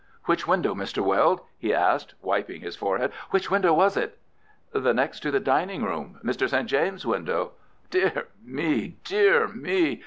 "Which window, Mr. Weld?" he asked, wiping his forehead. "Which window was it?" "The next to the dining room—Mr. St. James's window." "Dear me! Dear me!